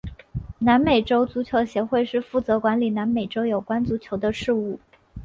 南美洲足球协会是负责管理南美洲有关足球的事务。